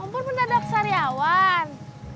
ompur pendadak sariawan